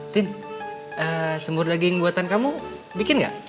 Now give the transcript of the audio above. tin semur daging buatan kamu bikin gak